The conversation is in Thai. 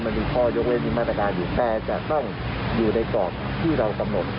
มันมีข้อยกเล่นที่มาตรการอยู่แต่จะต้องอยู่ในกรอบที่เรากำหนด